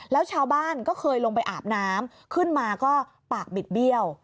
แล้วชาวบ้านก็เคยลงไปอาบน้ำขึ้นมาก็ปากบิดเบี้ยว